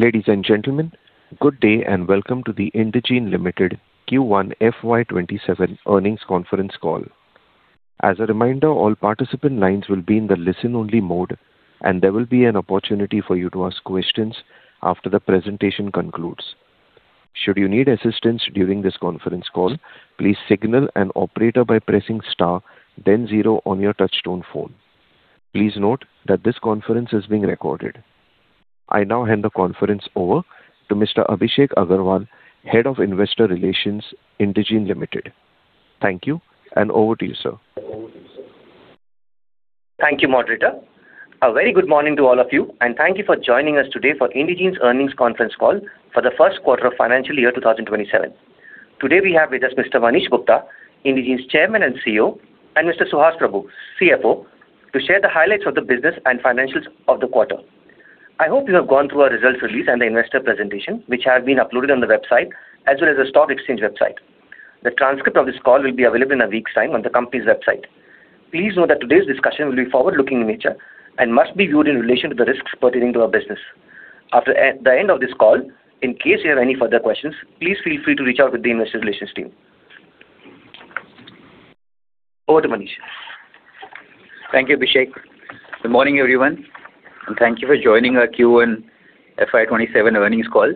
Ladies and gentlemen, good day and welcome to the Indegene Limited Q1 FY 2027 earnings conference call. As a reminder, all participant lines will be in the listen only mode, and there will be an opportunity for you to ask questions after the presentation concludes. Should you need assistance during this conference call, please signal an operator by pressing star, then zero on your touchtone phone. Please note that this conference is being recorded. I now hand the conference over to Mr. Abhishek Agarwal, Head of Investor Relations, Indegene Limited. Thank you, and over to you, sir. Thank you, moderator. A very good morning to all of you, and thank you for joining us today for Indegene's earnings conference call for the first quarter of financial year 2027. Today we have with us Mr. Manish Gupta, Indegene's Chairman and CEO, and Mr. Suhas Prabhu, CFO, to share the highlights of the business and financials of the quarter. I hope you have gone through our results release and the investor presentation, which have been uploaded on the website as well as the stock exchange website. The transcript of this call will be available in a week's time on the company's website. Please note that today's discussion will be forward-looking in nature and must be viewed in relation to the risks pertaining to our business. After the end of this call, in case you have any further questions, please feel free to reach out with the investor relations team. Over to Manish. Thank you, Abhishek. Good morning, everyone, and thank you for joining our Q1 FY 2027 earnings call.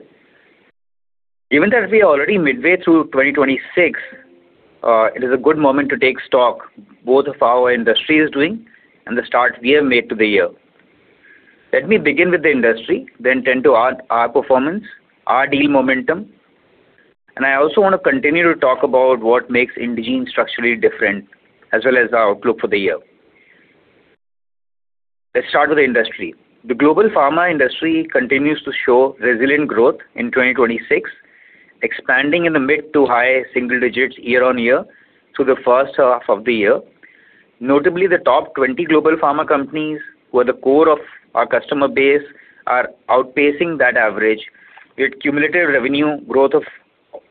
Given that we are already midway through 2026, it is a good moment to take stock, both of how our industry is doing and the start we have made to the year. Let me begin with the industry, then turn to our performance, our deal momentum, and I also want to continue to talk about what makes Indegene structurally different, as well as our outlook for the year. Let's start with the industry. The global pharma industry continues to show resilient growth in 2026, expanding in the mid to high single digits year-on-year through the first half of the year. Notably, the top 20 global pharma companies, who are the core of our customer base, are outpacing that average with cumulative revenue growth of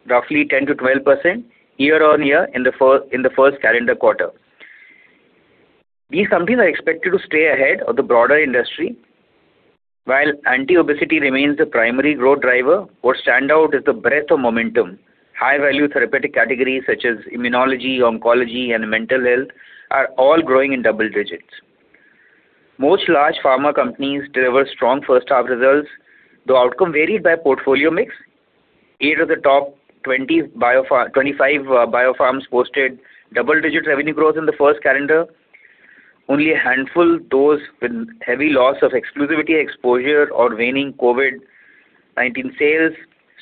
roughly 10%-12% year-on-year in the first calendar quarter. These companies are expected to stay ahead of the broader industry. While anti-obesity remains the primary growth driver, what stands out is the breadth of momentum. High-value therapeutic categories such as immunology, oncology, and mental health are all growing in double digits. Most large pharma companies delivered strong first half results, though outcome varied by portfolio mix. Eight of the top 25 Biopharmas posted double-digit revenue growth in the first calendar. Only a handful, those with heavy loss of exclusivity exposure or waning COVID-19 sales,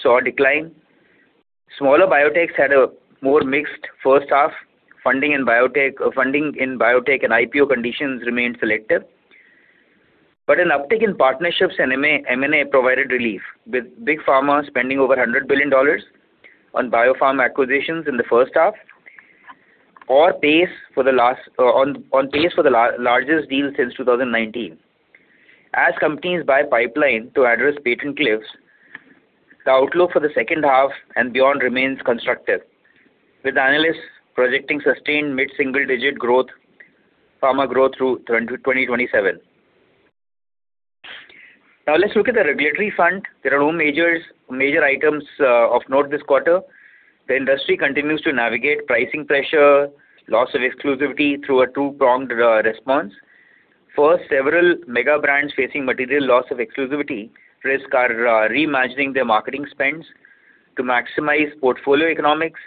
saw a decline. Smaller biotechs had a more mixed first half. Funding in biotech and IPO conditions remained selective. An uptick in partnerships and M&A provided relief, with big pharma spending over $100 billion on Biopharma acquisitions in the first half, on pace for the largest deals since 2019. As companies buy pipeline to address patent cliffs, the outlook for the second half and beyond remains constructive, with analysts projecting sustained mid-single-digit growth, pharma growth through 2027. Let's look at the regulatory front. There are no major items of note this quarter. The industry continues to navigate pricing pressure, loss of exclusivity through a two-pronged response. First, several mega brands facing material loss of exclusivity risk are reimagining their marketing spends to maximize portfolio economics,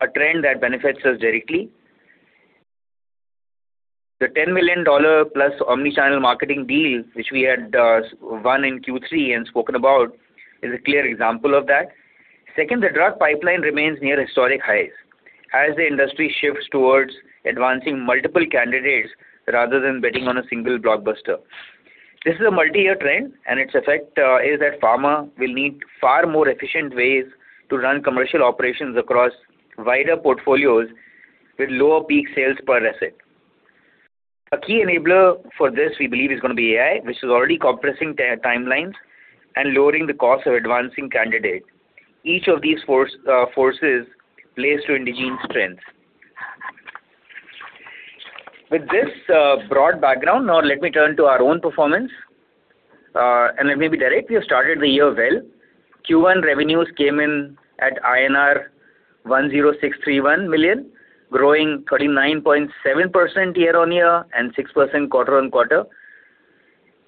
a trend that benefits us directly. The $10+ million omnichannel marketing deal, which we had won in Q3 and spoken about, is a clear example of that. Second, the drug pipeline remains near historic highs as the industry shifts towards advancing multiple candidates rather than betting on a single blockbuster. This is a multi-year trend, and its effect is that pharma will need far more efficient ways to run commercial operations across wider portfolios with lower peak sales per asset. A key enabler for this, we believe, is going to be AI, which is already compressing timelines and lowering the cost of advancing candidates. Each of these forces plays to Indegene's strengths. With this broad background, now let me turn to our own performance, and let me be direct. We have started the year well. Q1 revenues came in at INR 10.631 billion, growing 39.7% year-on-year and 6% quarter-on-quarter.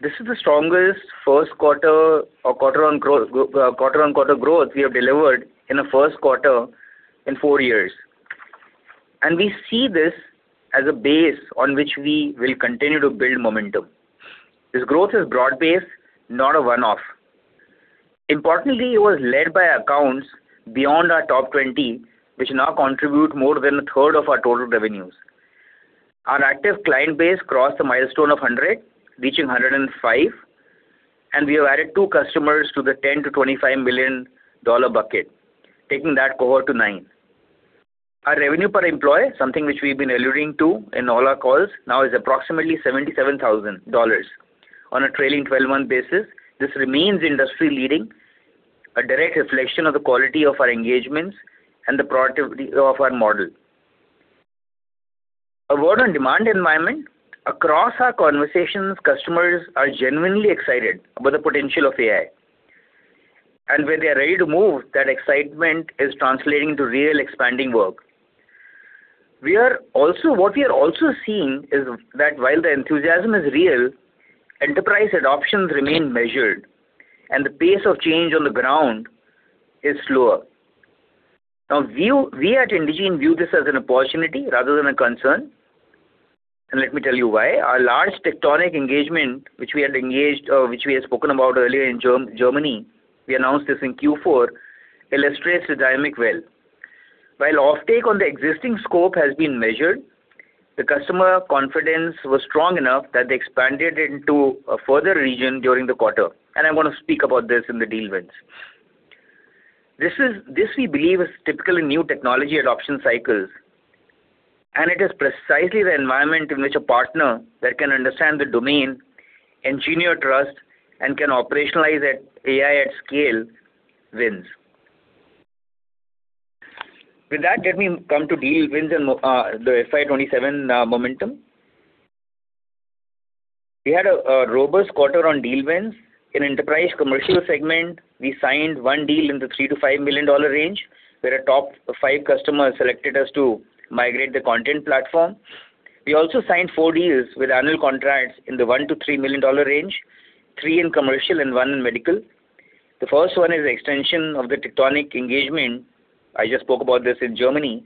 This is the strongest quarter-on-quarter growth we have delivered in a first quarter in four years, and we see this as a base on which we will continue to build momentum. This growth is broad-based, not a one-off. Importantly, it was led by accounts beyond our top 20, which now contribute more than 1/3 of our total revenues. Our active client base crossed the milestone of 100, reaching 105, and we have added two customers to the $10 million-$25 million bucket, taking that cohort to nine. Our revenue per employee, something which we've been alluding to in all our calls, now is approximately $77,000 on a trailing 12-month basis. This remains industry leading, a direct reflection of the quality of our engagements and the productivity of our model. A word on demand environment. Across our conversations, customers are genuinely excited about the potential of AI. Where they are ready to move, that excitement is translating to real expanding work. What we are also seeing is that while the enthusiasm is real, enterprise adoptions remain measured and the pace of change on the ground is slower. We at Indegene view this as an opportunity rather than a concern, and let me tell you why. Our large Tectonic engagement, which we had engaged, which we had spoken about earlier in Germany, we announced this in Q4, illustrates the dynamic well. While offtake on the existing scope has been measured, the customer confidence was strong enough that they expanded into a further region during the quarter. I'm going to speak about this in the deal wins. This, we believe, is typical in new technology adoption cycles. It is precisely the environment in which a partner that can understand the domain, engineer trust, and can operationalize AI at scale, wins. With that, let me come to deal wins and the FY 2027 momentum. We had a robust quarter on deal wins. In Enterprise Commercial Solutions, we signed one deal in the $3 million-$5 million range, where a top five customer selected us to migrate their content platform. We also signed four deals with annual contracts in the $1 million-$3 million range, three in commercial and one in medical. The first one is extension of the Tectonic engagement, I just spoke about this in Germany.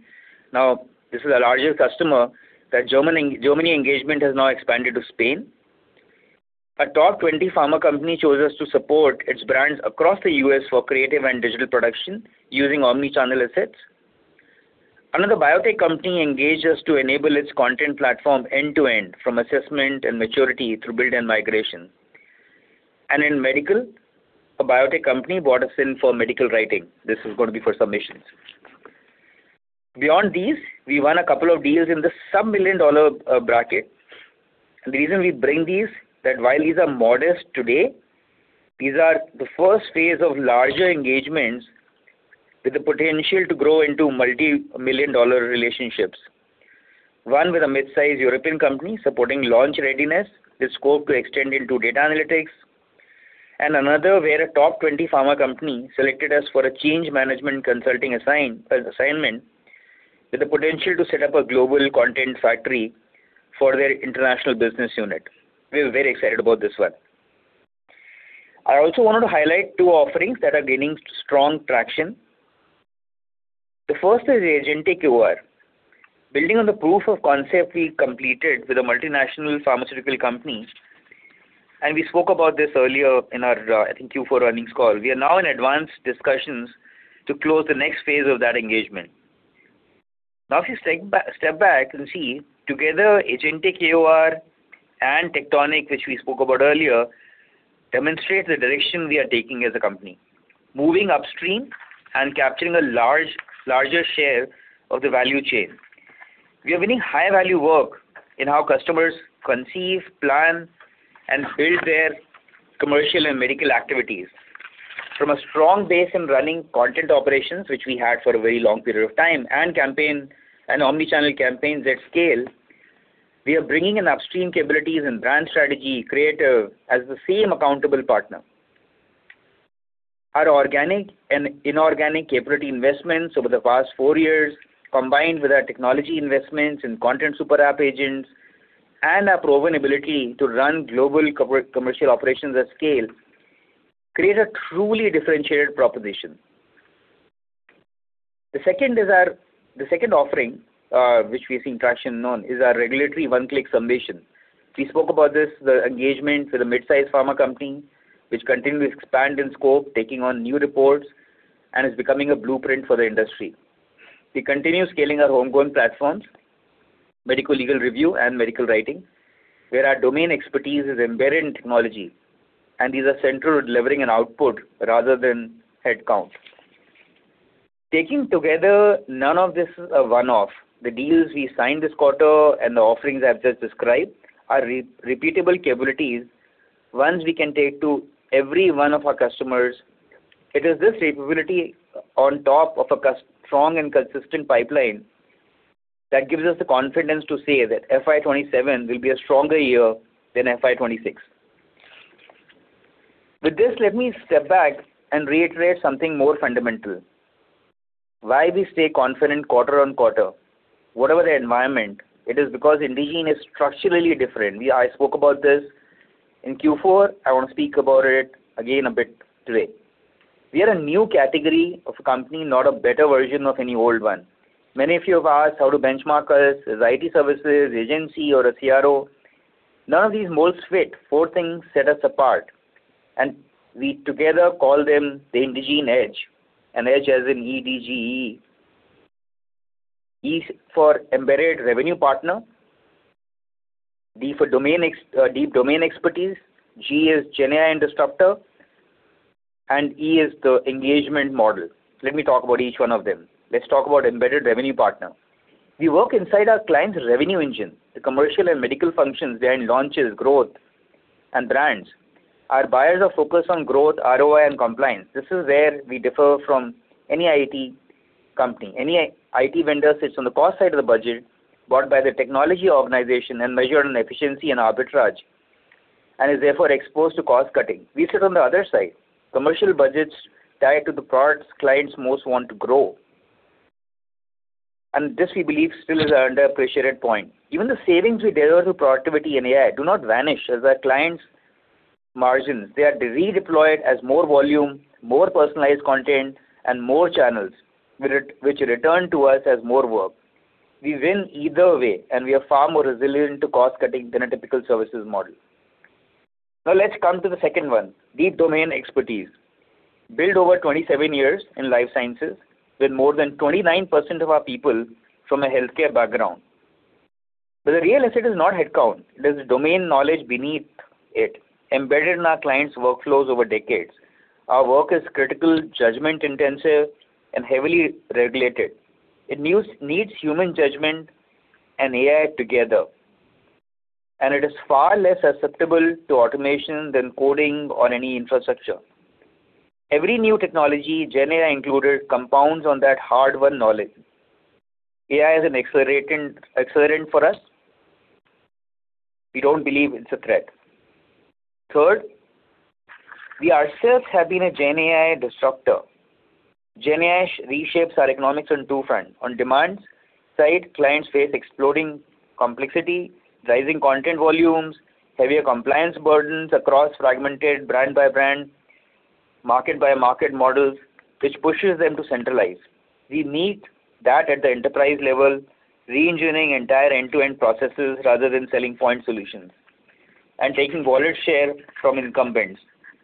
This is our largest customer, that Germany engagement has now expanded to Spain. A top 20 pharma company chose us to support its brands across the U.S. for creative and digital production using omni-channel assets. Another biotech company engaged us to enable its content platform end-to-end, from assessment and maturity through build and migration. In medical, a biotech company bought us in for medical writing. This is going to be for submissions. Beyond these, we won a couple of deals in the sub-$1 million bracket. The reason we bring these, that while these are modest today, these are the first phase of larger engagements with the potential to grow into multi-million dollar relationships. One with a mid-size European company supporting launch readiness, the scope to extend into data analytics. Another where a top 20 pharma company selected us for a change management consulting assignment with the potential to set up a global content factory for their international business unit. We are very excited about this one. I also wanted to highlight two offerings that are gaining strong traction. The first is Agentic AOR. Building on the proof of concept we completed with a multinational pharmaceutical company. We spoke about this earlier in our, I think, Q4 earnings call. We are now in advanced discussions to close the next phase of that engagement. If you step back and see together Agentic AOR and Tectonic, which we spoke about earlier, demonstrates the direction we are taking as a company, moving upstream and capturing a larger share of the value chain. We are winning high-value work in how customers conceive, plan, and build their commercial and medical activities. From a strong base in running content operations, which we had for a very long period of time, and omni-channel campaigns at scale, we are bringing in upstream capabilities and brand strategy creative as the same accountable partner. Our organic and inorganic capability investments over the past four years, combined with our technology investments in Content Super App agents and our proven ability to run global commercial operations at scale, creates a truly differentiated proposition. The second offering, which we are seeing traction on, is our regulatory One-Click Submission. We spoke about this, the engagement with a mid-size pharma company, which continues to expand in scope, taking on new reports, and is becoming a blueprint for the industry. We continue scaling our homegrown platforms, medical-legal review and medical writing, where our domain expertise is embedded in technology, and these are central to delivering an output rather than headcount. Taken together, none of this is a one-off. The deals we signed this quarter and the offerings I've just described are repeatable capabilities, ones we can take to every one of our customers. It is this capability on top of a strong and consistent pipeline that gives us the confidence to say that FY 2027 will be a stronger year than FY 2026. With this, let me step back and reiterate something more fundamental. Why we stay confident quarter-on-quarter, whatever the environment. It is because Indegene is structurally different. I spoke about this in Q4. I want to speak about it again a bit today. We are a new category of company, not a better version of any old one. Many of you have asked how to benchmark us as IT services, agency or a CRO. None of these molds fit. Four things set us apart, and we together call them the Indegene EDGE. An edge as in E-D-G-E. E is for embedded revenue partner, D for deep domain expertise, G is GenAI instructor, and E is the engagement model. Let me talk about each one of them. Let's talk about embedded revenue partner. We work inside our client's revenue engine, the commercial and medical functions, their launches, growth and brands. Our buyers are focused on growth, ROI, and compliance. This is where we differ from any IT company. Any IT vendor sits on the cost side of the budget, bought by the technology organization and measured on efficiency and arbitrage, and is therefore exposed to cost-cutting. We sit on the other side. Commercial budgets tied to the products clients most want to grow. This, we believe, still is an underappreciated point. Even the savings we deliver through productivity and AI do not vanish as our clients' margins. They are redeployed as more volume, more personalized content, and more channels, which return to us as more work. We win either way, and we are far more resilient to cost-cutting than a typical services model. Now let's come to the second one: deep domain expertise. Built over 27 years in life sciences, with more than 29% of our people from a healthcare background. The real asset is not headcount, it is the domain knowledge beneath it, embedded in our clients' workflows over decades. Our work is critical, judgment-intensive, and heavily regulated. It needs human judgment and AI together, and it is far less susceptible to automation than coding or any infrastructure. Every new technology, GenAI included, compounds on that hard-won knowledge. AI is an accelerant for us. Third, we ourselves have been a GenAI disruptor. GenAI reshapes our economics on two fronts. On demand side, clients face exploding complexity, rising content volumes, heavier compliance burdens across fragmented brand-by-brand, market-by-market models, which pushes them to centralize. We meet that at the enterprise level, reengineering entire end-to-end processes rather than selling point solutions and taking wallet share from incumbents,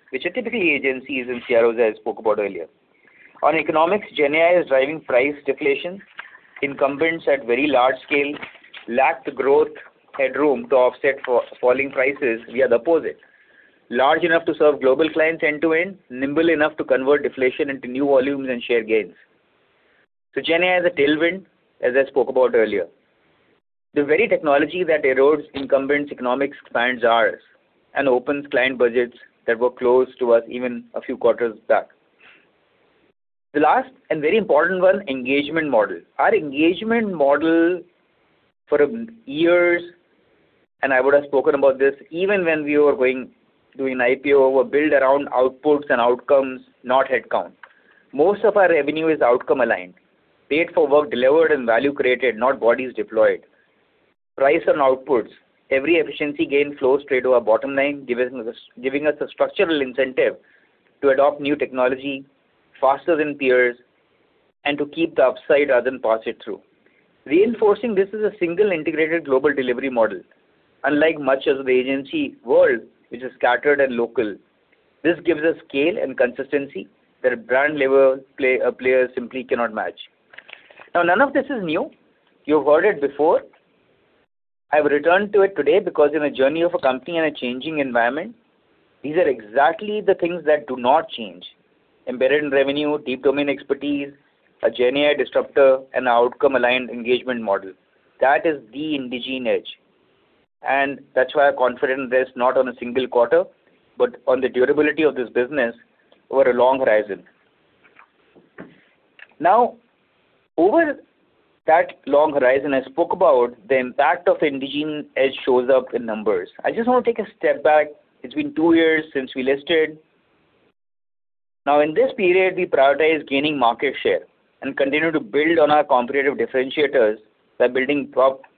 which are typically agencies and CROs, as I spoke about earlier. On economics, GenAI is driving price deflation. Incumbents at very large scale lack the growth headroom to offset falling prices. We are the opposite: large enough to serve global clients end to end, nimble enough to convert deflation into new volumes and share gains. GenAI is a tailwind, as I spoke about earlier. The very technology that erodes incumbents' economics expands ours and opens client budgets that were closed to us even a few quarters back. The last and very important one, engagement model. Our engagement model for years, and I would've spoken about this even when we were doing IPO, were built around outputs and outcomes, not headcount. Most of our revenue is outcome-aligned, paid for work delivered and value created, not bodies deployed. Price on outputs. Every efficiency gain flows straight to our bottom line, giving us a structural incentive to adopt new technology faster than peers and to keep the upside rather than pass it through. Reinforcing this is a single integrated global delivery model, unlike much of the agency world, which is scattered and local. This gives us scale and consistency that brand-level players simply cannot match. Now, none of this is new. You've heard it before. I've returned to it today because in the journey of a company in a changing environment, these are exactly the things that do not change. Embedded in revenue, deep domain expertise, a GenAI disruptor, and an outcome-aligned engagement model. That is the Indegene edge, and that's why I'm confident based not on a single quarter, but on the durability of this business over a long horizon. Now, over that long horizon I spoke about, the impact of Indegene edge shows up in numbers. I just want to take a step back. It's been two years since we listed. Now, in this period, we prioritized gaining market share and continued to build on our competitive differentiators by building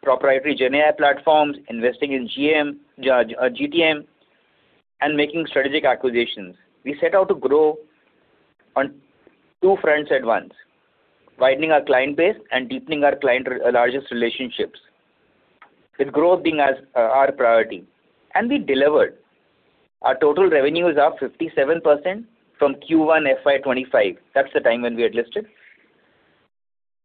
proprietary GenAI platforms, investing in GTM, and making strategic acquisitions. We set out to grow on two fronts at once, widening our client base and deepening our largest relationships, with growth being our priority. We delivered. Our total revenues are up 57% from Q1 FY 2025. That's the time when we had listed.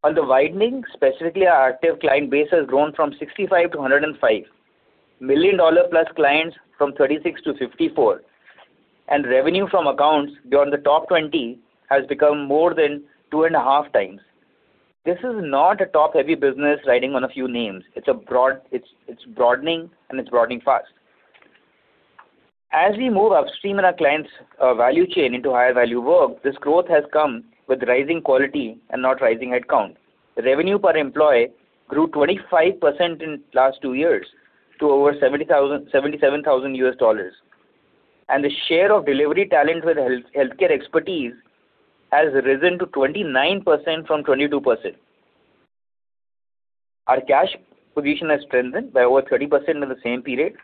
On the widening, specifically, our active client base has grown from 65 to 105. Million-dollar-plus clients from 36 to 54, and revenue from accounts beyond the top 20 has become more than two and a half times. This is not a top-heavy business riding on a few names. It's broadening, and it's broadening fast. As we move upstream in our clients' value chain into higher-value work, this growth has come with rising quality and not rising headcount. Revenue per employee grew 25% in the last two years to over $77,000. The share of delivery talent with healthcare expertise has risen to 29% from 22%. Our cash position has strengthened by over 30% in the same period.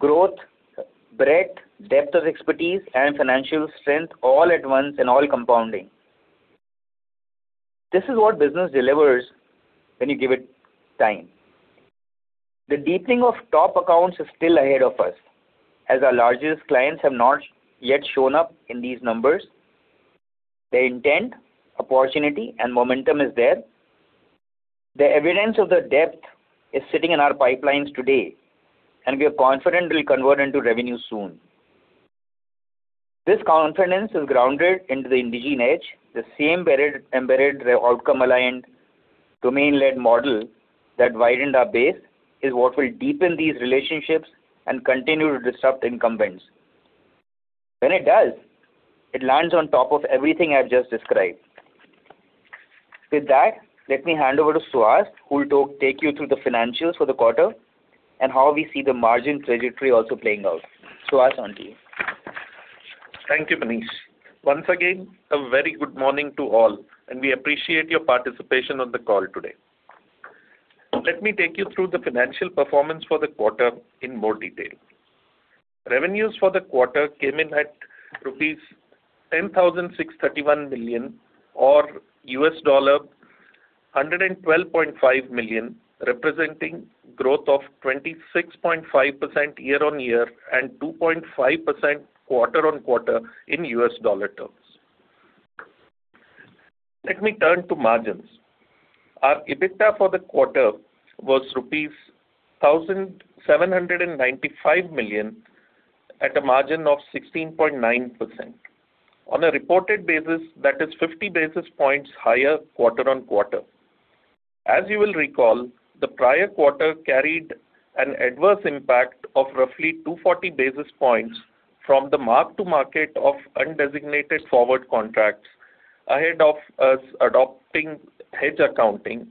Growth, breadth, depth of expertise, and financial strength all at once and all compounding. This is what business delivers when you give it time. The deepening of top accounts is still ahead of us, as our largest clients have not yet shown up in these numbers. The intent, opportunity, and momentum is there. The evidence of the depth is sitting in our pipelines today, and we are confident will convert into revenue soon. This confidence is grounded into the Indegene EDGE, the same embedded outcome-aligned, domain-led model that widened our base is what will deepen these relationships and continue to disrupt incumbents. When it does, it lands on top of everything I've just described. With that, let me hand over to Suhas, who will take you through the financials for the quarter and how we see the margin trajectory also playing out. Suhas on to you. Thank you, Manish. Once again, a very good morning to all, and we appreciate your participation on the call today. Let me take you through the financial performance for the quarter in more detail. Revenues for the quarter came in at rupees 10.631 billion, or $112.5 million, representing growth of 26.5% year-on-year and 2.5% quarter-on-quarter in U.S. dollar terms. Let me turn to margins. Our EBITDA for the quarter was rupees 1,795 million at a margin of 16.9%. On a reported basis, that is 50 basis points higher quarter-on-quarter. As you will recall, the prior quarter carried an adverse impact of roughly 240 basis points from the mark to market of undesignated forward contracts ahead of us adopting hedge accounting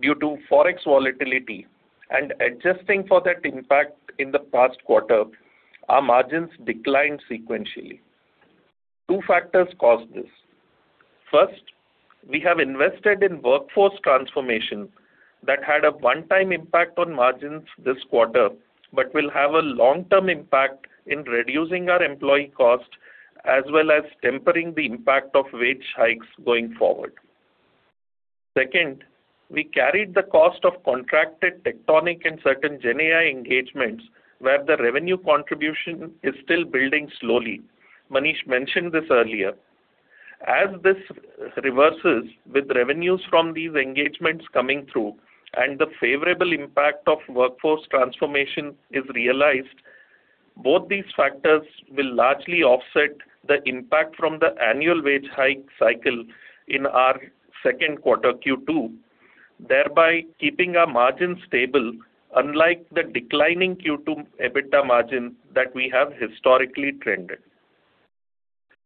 due to Forex volatility. Adjusting for that impact in the past quarter, our margins declined sequentially. Two factors caused this. First, we have invested in workforce transformation that had a one-time impact on margins this quarter, but will have a long-term impact in reducing our employee cost, as well as tempering the impact of wage hikes going forward. Second, we carried the cost of contracted Tectonic and certain GenAI engagements, where the revenue contribution is still building slowly. Manish mentioned this earlier. As this reverses with revenues from these engagements coming through and the favorable impact of workforce transformation is realized, both these factors will largely offset the impact from the annual wage hike cycle in our second quarter Q2, thereby keeping our margins stable unlike the declining Q2 EBITDA margin that we have historically trended.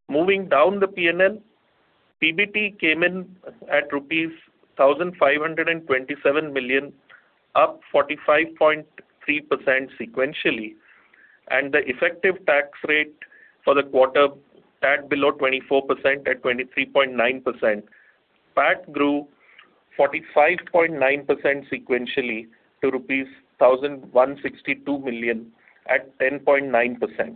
Moving down the P&L, PBT came in at rupees 1.527 billion, up 45.3% sequentially, and the effective tax rate for the quarter tagged below 24% at 23.9%. PAT grew 45.9% sequentially to rupees 1.162 billion at 10.9%,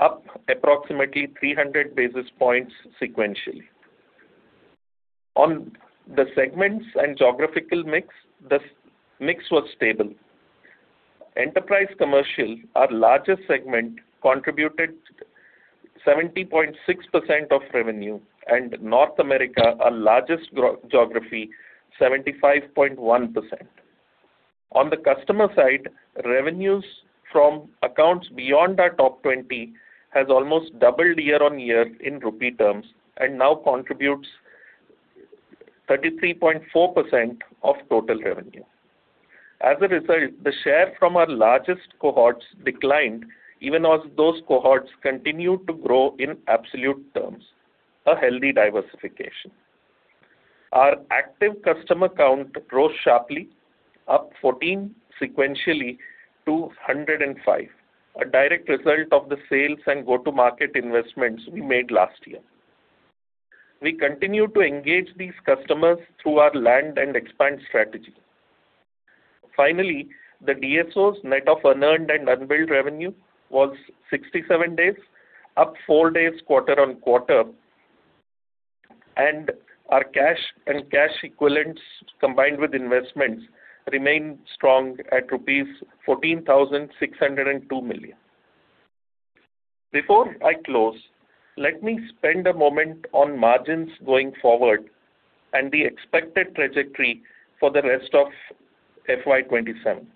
up approximately 300 basis points sequentially. On the segments and geographical mix, the mix was stable. Enterprise Commercial, our largest segment, contributed 70.6% of revenue, and North America, our largest geography, 75.1%. On the customer side, revenues from accounts beyond our top 20 has almost doubled year-on-year in rupee terms and now contributes 33.4% of total revenue. As a result, the share from our largest cohorts declined even as those cohorts continued to grow in absolute terms. A healthy diversification. Our active customer count rose sharply, up 14 sequentially to 105, a direct result of the sales and go-to-market investments we made last year. We continue to engage these customers through our land and expand strategy. Finally, the DSOs net of unearned and unbilled revenue was 67 days, up four days quarter-on-quarter. Our cash and cash equivalents, combined with investments, remain strong at rupees 14.602 billion. Before I close, let me spend a moment on margins going forward and the expected trajectory for the rest of FY 2027.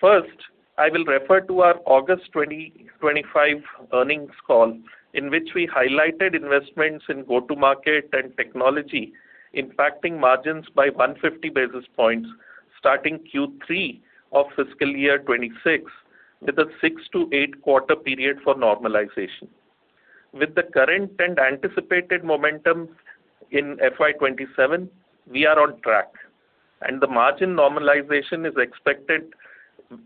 First, I will refer to our August 2025 earnings call, in which we highlighted investments in go-to-market and technology impacting margins by 150 basis points starting Q3 of fiscal year 2026, with a six to eight quarter period for normalization. With the current and anticipated momentum in FY 2027, we are on track, and the margin normalization is expected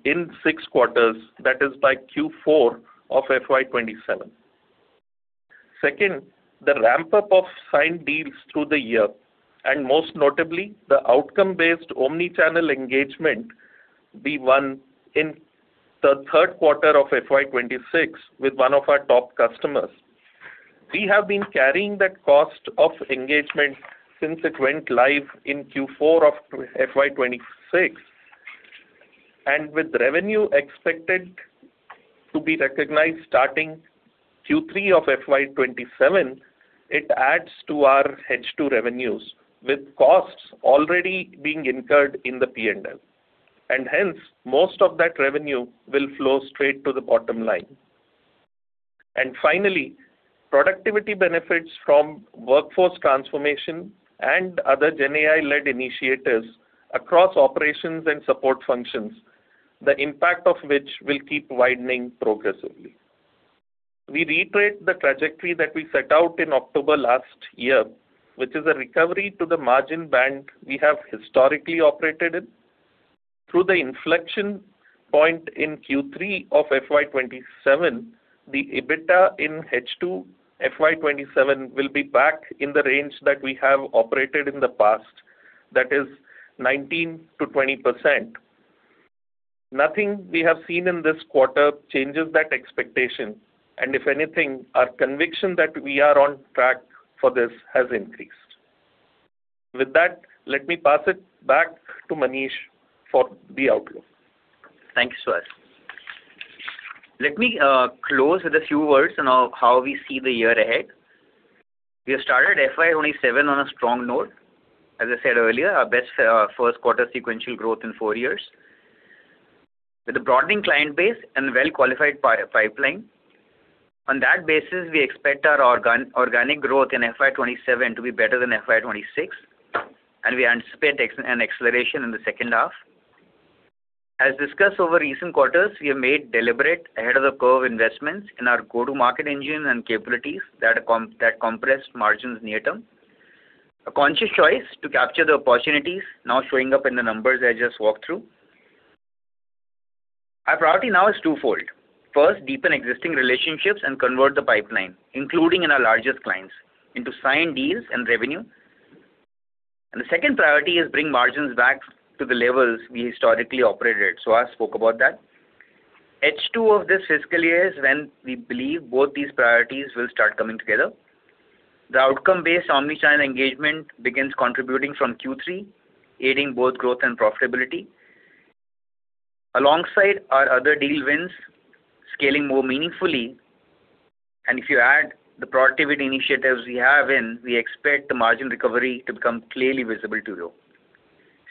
in six quarters, that is by Q4 of FY 2027. Second, the ramp-up of signed deals through the year, and most notably, the outcome-based omni-channel engagement we won in the third quarter of FY 2026 with one of our top customers. We have been carrying that cost of engagement since it went live in Q4 of FY 2026, and with revenue expected to be recognized starting Q3 of FY 2027, it adds to our H2 revenues, with costs already being incurred in the P&L. Hence, most of that revenue will flow straight to the bottom line. Finally, productivity benefits from workforce transformation and other GenAI-led initiatives across operations and support functions, the impact of which will keep widening progressively. We reiterate the trajectory that we set out in October last year, which is a recovery to the margin band we have historically operated in. Through the inflection point in Q3 of FY 2027, the EBITDA in H2 FY 2027 will be back in the range that we have operated in the past. That is 19%-20%. Nothing we have seen in this quarter changes that expectation, and if anything, our conviction that we are on track for this has increased. With that, let me pass it back to Manish for the outlook. Thank you, Suhas. Let me close with a few words on how we see the year ahead. We have started FY 2027 on a strong note. As I said earlier, our best first quarter sequential growth in four years. With a broadening client base and well-qualified pipeline. On that basis, we expect our organic growth in FY 2027 to be better than FY 2026, and we anticipate an acceleration in the second half. As discussed over recent quarters, we have made deliberate ahead-of-the-curve investments in our go-to-market engine and capabilities that compressed margins near term. A conscious choice to capture the opportunities now showing up in the numbers I just walked through. Our priority now is twofold. First, deepen existing relationships and convert the pipeline, including in our largest clients, into signed deals and revenue. The second priority is bring margins back to the levels we historically operated. Suhas spoke about that. H2 of this fiscal year is when we believe both these priorities will start coming together. The outcome-based omnichannel engagement begins contributing from Q3, aiding both growth and profitability. Alongside our other deal wins, scaling more meaningfully. If you add the productivity initiatives we have in, we expect the margin recovery to become clearly visible to you.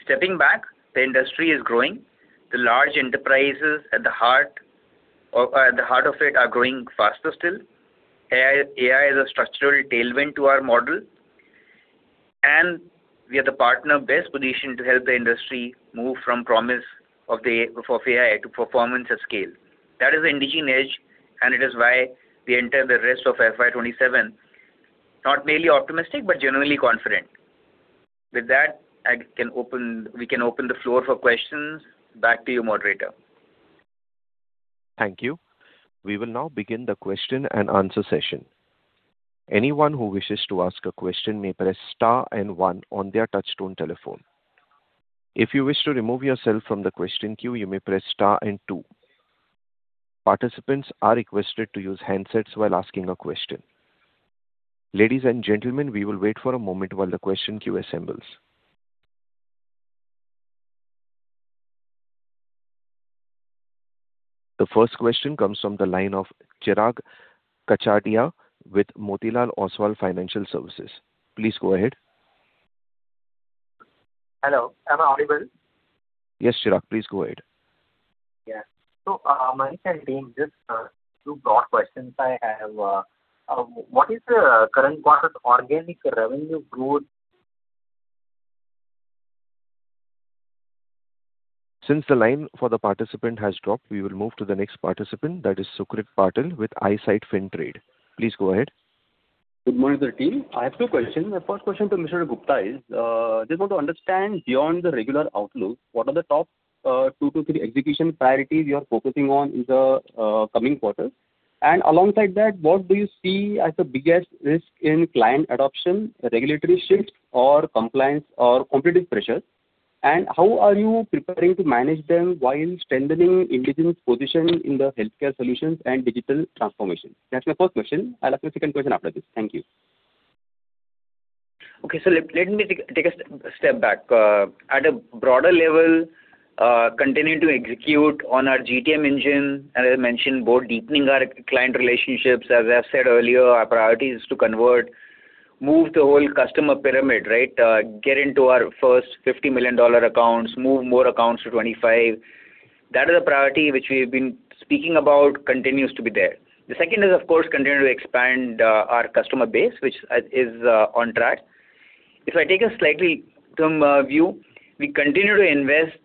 Stepping back, the industry is growing. The large enterprises at the heart of it are growing faster still. AI is a structural tailwind to our model. We are the partner best positioned to help the industry move from promise of AI to performance at scale. That is Indegene EDGE, and it is why we enter the rest of FY 2027, not merely optimistic, but generally confident. With that, we can open the floor for questions. Back to you, moderator. Thank you. We will now begin the question and answer session. Anyone who wishes to ask a question may press star and one on their touchtone telephone. If you wish to remove yourself from the question queue, you may press star and two. Participants are requested to use handsets while asking a question. Ladies and gentlemen, we will wait for a moment while the question queue assembles. The first question comes from the line of Chirag Kachhadiya with Motilal Oswal Financial Services. Please go ahead. Hello, am I audible? Yes, Chirag, please go ahead. Yeah. Manish and team, just two broad questions I have. What is the current quarter organic revenue growth- Since the line for the participant has dropped, we will move to the next participant, that is Sucrit Patil with Eyesight Fintrade. Please go ahead. Good morning to the team. I have two questions. My first question to Mr. Gupta is, just want to understand beyond the regular outlook, what are the top two to three execution priorities you are focusing on in the coming quarters? Alongside that, what do you see as the biggest risk in client adoption, regulatory shifts or compliance or competitive pressures? How are you preparing to manage them while strengthening Indegene's position in the healthcare solutions and digital transformation? That's my first question. I'll ask my second question after this. Thank you. Let me take a step back. At a broader level, continuing to execute on our GTM engine. As I mentioned, both deepening our client relationships, as I've said earlier, our priority is to convert, move the whole customer pyramid, right? Get into our first $50 million accounts, move more accounts to $25 million. That is a priority which we've been speaking about, continues to be there. The second is, of course, continue to expand our customer base, which is on track. If I take a slightly term view, we continue to invest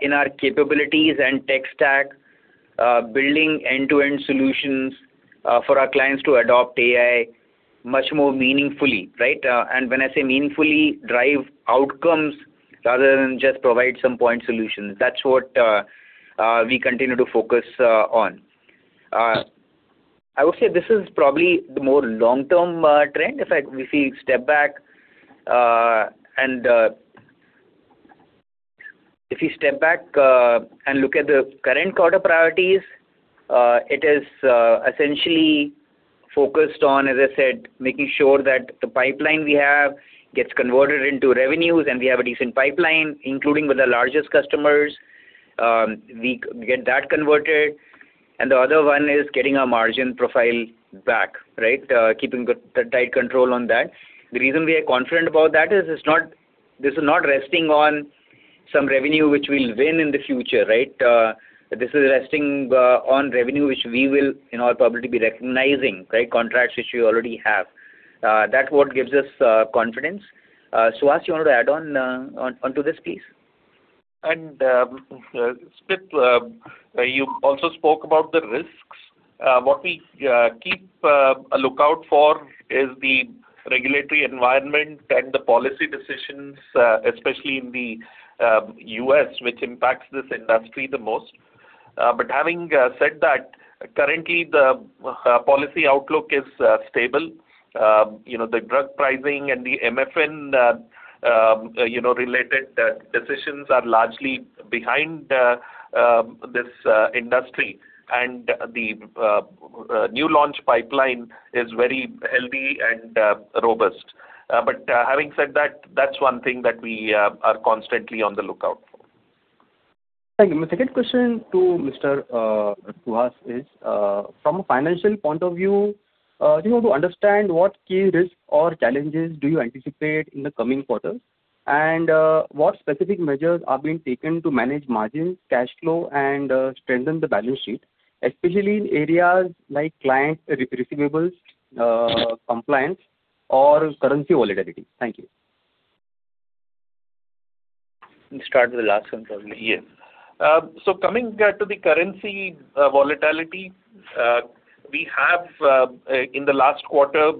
in our capabilities and tech stack, building end-to-end solutions for our clients to adopt AI much more meaningfully, right? When I say meaningfully, drive outcomes rather than just provide some point solutions. That's what we continue to focus on. I would say this is probably the more long-term trend. If we step back and look at the current quarter priorities, it is essentially focused on, as I said, making sure that the pipeline we have gets converted into revenues. We have a decent pipeline, including with the largest customers. We get that converted. The other one is getting our margin profile back, right? Keeping tight control on that. The reason we are confident about that is, this is not resting on some revenue which we'll win in the future, right? This is resting on revenue, which we will in all probability be recognizing, right? Contracts which we already have. That's what gives us confidence. Suhas, you want to add on to this, please? Sucrit, you also spoke about the risks. What we keep a lookout for is the regulatory environment and the policy decisions, especially in the U.S., which impacts this industry the most. Having said that, currently the policy outlook is stable. The drug pricing and the MFN-related decisions are largely behind this industry. The new launch pipeline is very healthy and robust. Having said that's one thing that we are constantly on the lookout for. Thank you. My second question to Mr. Suhas is, from a financial point of view, to understand what key risks or challenges do you anticipate in the coming quarters, and what specific measures are being taken to manage margins, cash flow, and strengthen the balance sheet, especially in areas like client receivables, compliance or currency volatility? Thank you. You start with the last one, probably. Yes. Coming to the currency volatility, we have, in the last quarter,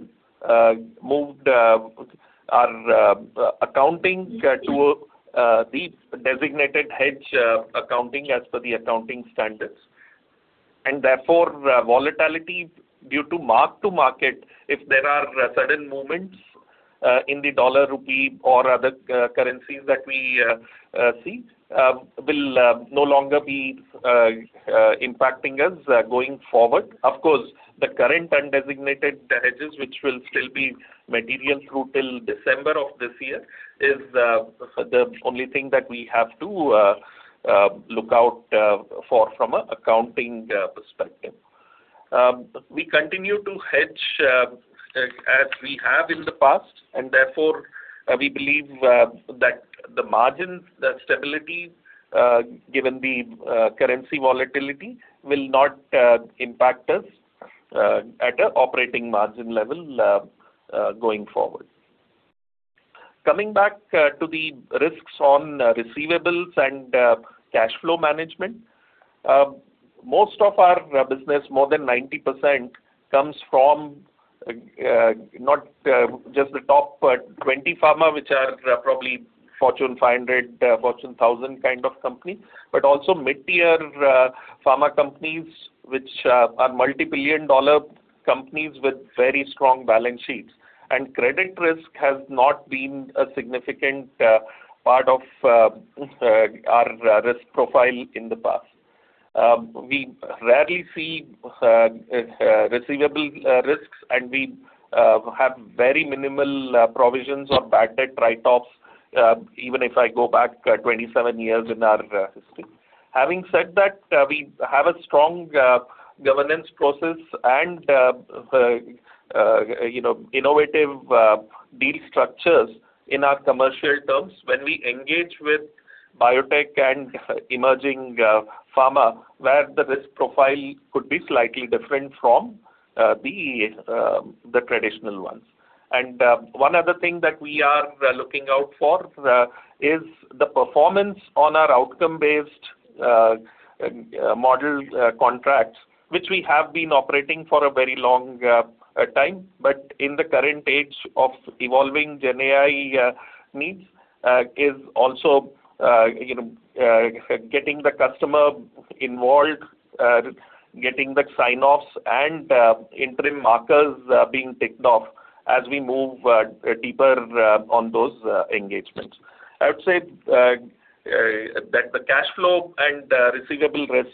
moved our accounting to the designated hedge accounting as per the accounting standards. Therefore, volatility due to mark-to-market, if there are sudden movements in the dollar-rupee or other currencies that we see, will no longer be impacting us going forward. Of course, the current undesignated hedges, which will still be material through till December of this year, is the only thing that we have to look out for from a accounting perspective. We continue to hedge as we have in the past, therefore we believe that the margins, the stability, given the currency volatility, will not impact us at operating margin level going forward. Coming back to the risks on receivables and cash flow management. Most of our business, more than 90%, comes from not just the top 20 pharma, which are probably Fortune 500, Fortune 1000 kind of company, but also mid-tier pharma companies, which are multi-billion dollar companies with very strong balance sheets. Credit risk has not been a significant part of our risk profile in the past. We rarely see receivable risks, and we have very minimal provisions or bad debt write-offs, even if I go back 27 years in our history. Having said that, we have a strong governance process and innovative deal structures in our commercial terms when we engage with biotech and emerging pharma, where the risk profile could be slightly different from the traditional ones. One other thing that we are looking out for is the performance on our outcome-based model contracts, which we have been operating for a very long time, but in the current age of evolving GenAI needs, is also getting the customer involved, getting the sign-offs and interim markers being ticked off as we move deeper on those engagements. I would say that the cash flow and receivable risk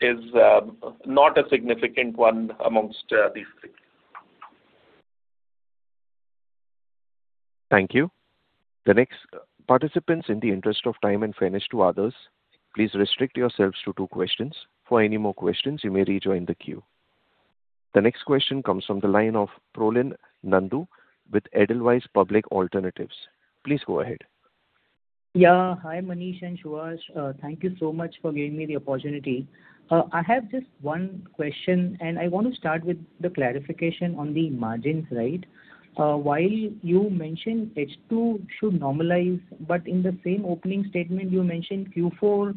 is not a significant one amongst these risks. Thank you. Participants, in the interest of time and fairness to others, please restrict yourselves to two questions. For any more questions, you may rejoin the queue. The next question comes from the line of Prolin Nandu with Edelweiss Public Alternatives. Please go ahead. Yeah. Hi, Manish and Suhas. Thank you so much for giving me the opportunity. I have just one question. I want to start with the clarification on the margins, right? While you mentioned H2 should normalize, in the same opening statement, you mentioned Q4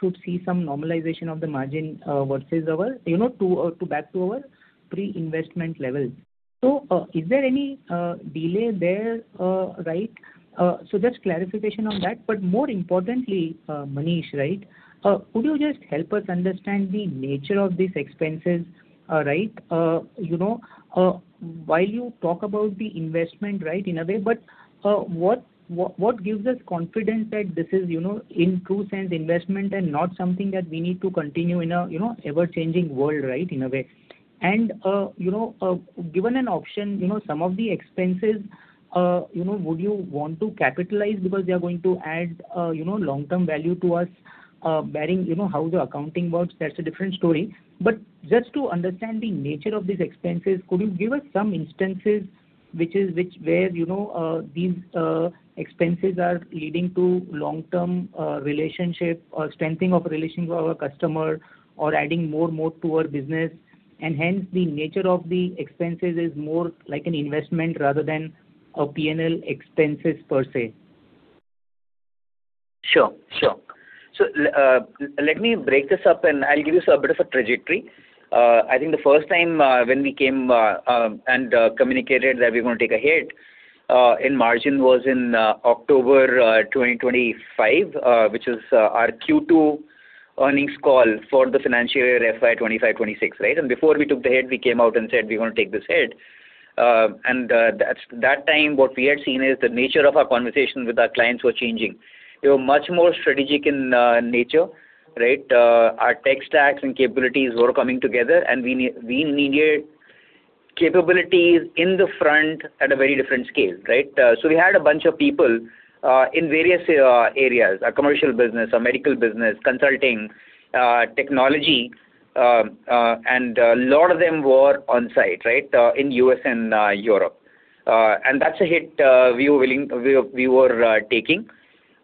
should see some normalization of the margin back to our pre-investment level. Is there any delay there, right? Just clarification on that. More importantly, Manish, could you just help us understand the nature of these expenses, right? While you talk about the investment in a way, what gives us confidence that this is in true sense investment and not something that we need to continue in an ever-changing world, right, in a way? Given an option, some of the expenses, would you want to capitalize because they're going to add long-term value to us, barring how the accounting works, that's a different story. Just to understand the nature of these expenses, could you give us some instances where these expenses are leading to long-term relationship or strengthening of relation to our customer or adding more moat to our business, and hence the nature of the expenses is more like an investment rather than a P&L expenses per se. Sure. Let me break this up and I'll give you a bit of a trajectory. I think the first time when we came and communicated that we're going to take a hit in margin was in October 2025, which is our Q2 earnings call for the financial year FY 2025/2026. Right? Before we took the hit, we came out and said we want to take this hit. At that time, what we had seen is the nature of our conversations with our clients were changing. They were much more strategic in nature. Right? Our tech stacks and capabilities were coming together, and we needed capabilities in the front at a very different scale. Right? We had a bunch of people in various areas, our commercial business, our medical business, consulting, technology, and a lot of them were on site, in U.S. and Europe. That's a hit we were taking.